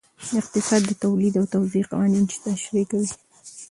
اقتصاد د تولید او توزیع قوانین تشریح کوي.